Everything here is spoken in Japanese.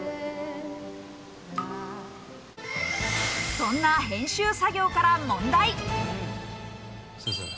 そんな編集作業から問題。